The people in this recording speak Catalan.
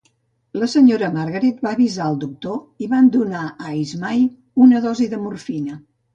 La senyora Margaret va avisar el doctor i van donar a Ismay una dosi de morfina.